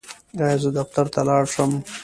ایا زه دفتر ته لاړ شم؟